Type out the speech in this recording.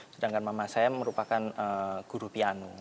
sedangkan mama saya merupakan guru piano